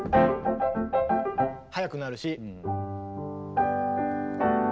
速くなるし。